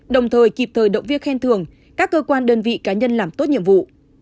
đồng thời kịp thời động viên khen thường các cơ quan đơn vị cá nhân làm tốt nhiệm vụ